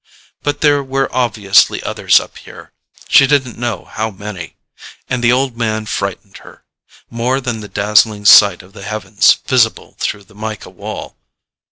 But there were obviously others up here; she didn't know how many. And the old man frightened her more than the dazzling sight of the heavens visible through the mica wall.